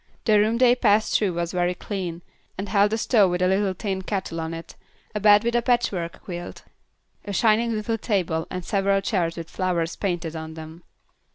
The room they passed through was very clean, and held a stove with a little tin kettle on it, a bed with a patchwork quilt, a shining little table and several chairs with flowers painted on them.